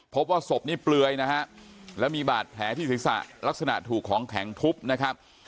พบว่าศพนี้เปลือยนะฮะแล้วมีบาดแผลที่ศีรษะลักษณะถูกของแข็งทุบนะครับ